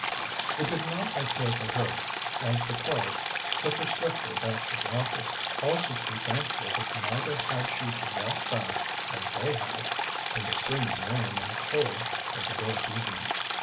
It did not occur to her, as the car took her swiftly back to the office, also to be thankful that neither had she to walk back, as they had, in the streaming rain and cold of the dark evening.